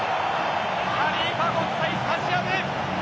ハリーファ国際スタジアム。